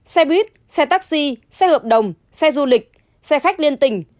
xe buýt xe taxi xe hợp đồng xe du lịch xe khách liên tỉnh